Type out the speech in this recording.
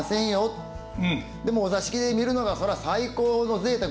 でもお座敷で見るのがそら最高のぜいたく。